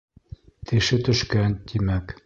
Теше төшкән, тимәк.